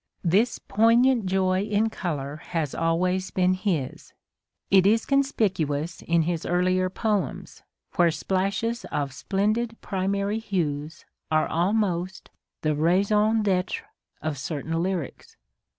This poignant joy in colour has always been his ; it is conspicuous in his earlier poems, where splashes of splendid primary hues are almost the raisons d'etre of certain lyrics.